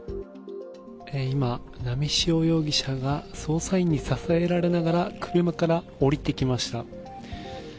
今、波汐容疑者が捜査員に支えられながら車から降りてきました。